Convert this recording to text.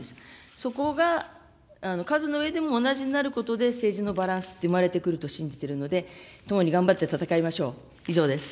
そこが数の上でも同じになることで、政治のバランスって生まれてくると信じているので、共に頑張って戦いましょう。